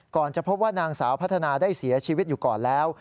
ก่อนจะพบว่านางสาวพัฒนาได้เสียชีวิตอยู่ก่อนแล้ว